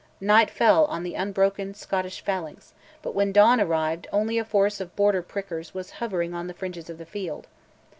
Night fell on the unbroken Scottish phalanx, but when dawn arrived only a force of Border prickers was hovering on the fringes of the field.